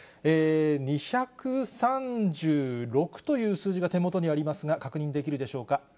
２３６という数字が手元にありますが、確認できるでしょうか。